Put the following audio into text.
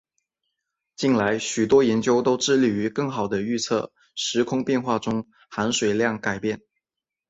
近来许多研究都致力于更好地预测时空变化中的含水量改变。